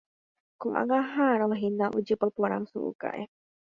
Ko'ág̃a aha'ãrõhína ojypa porã so'o ka'ẽ.